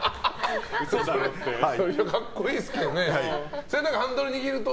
格好いいですけどね。